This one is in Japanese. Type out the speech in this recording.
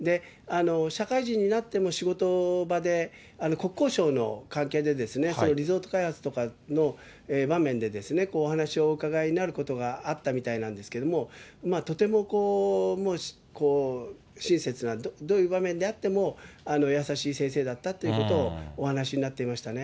社会人になっても、仕事場で、国交省の関係で、リゾート開発とかの場面で、お話をお伺いになることがあったみたいなんですけれども、とても親切な、どういう場面であっても、優しい先生だったということをお話になっていましたね。